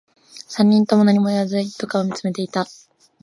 三人とも何も言わず、一斗缶を見つめていた